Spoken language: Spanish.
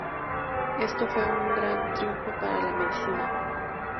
Esto fue un gran triunfo para la medicina.